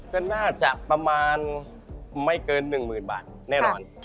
ก็น่าจะประมาณไม่เกิน๑๐๐๐บาทแน่นอน